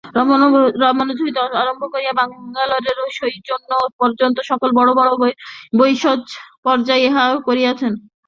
রামানুজ হইতে আরম্ভ করিয়া বাঙলাদেশে শ্রীচৈতন্য পর্যন্ত সকল বড় বড় বৈষ্ণব আচার্যই ইহা করিয়াছেন।